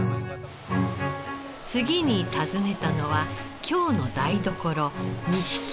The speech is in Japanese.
次に訪ねたのは京の台所錦市場。